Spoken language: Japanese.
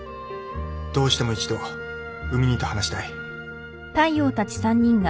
どうしても一度海兄と話したい。